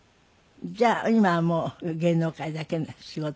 じゃあ今はもう芸能界だけの仕事だけ？